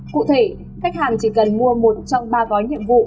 cụ thể khách hàng chỉ cần mua một trong ba gói nhiệm vụ